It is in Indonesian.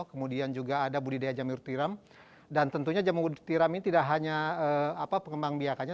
kemudian juga ada budidaya jamur tiram dan tentunya jamur tiram ini tidak hanya pengembang biakannya